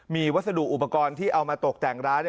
มีวัสดุอุปกรณ์ที่เอามาตกแต่งร้าน